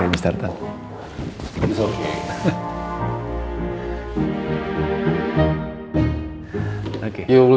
pemikiran kecilmu sangat kacak